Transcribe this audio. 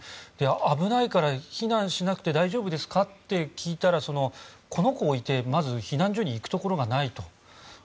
危ないから避難しなくて大丈夫ですかと聞いたらこの子を置いてまず避難所に行くところがないと。